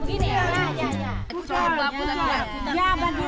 ini adalah su su su